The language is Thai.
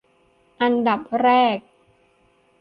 อันดับแรก